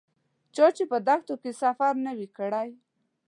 چا چې په دښتونو کې سفر نه وي کړی.